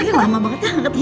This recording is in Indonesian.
ih lama banget ya gak ketemu